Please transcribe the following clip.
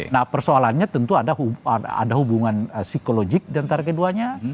nah persoalannya tentu ada hubungan psikologik diantara keduanya